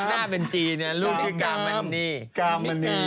หน้าเป็นจีนเนี่ยลูกชื่อกาม